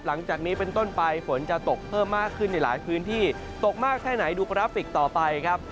หลังจากนี้เป็นต้นไปฝนจะตกเพิ่มมากขึ้นในหลายพื้นที่ตกมากแค่ไหนดูกราฟิกต่อไปครับ